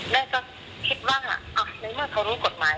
แม่ก็คิดว่าในเมื่อเขารู้กฎหมายเขาก็ควรทำตามกฎหมาย